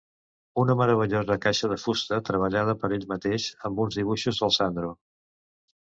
Una meravellosa caixa de fusta treballada per ell mateix, amb uns dibuixos del Sandro.